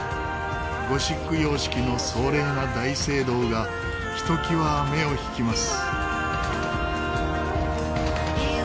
ゴシック様式の壮麗な大聖堂がひときわ目を引きます。